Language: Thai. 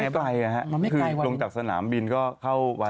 ไม่ไกลอะครับคือลงจากสนามบินก็เข้าวันดิน